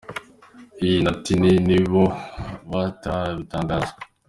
I na Tiny ni bo batarabitangaza.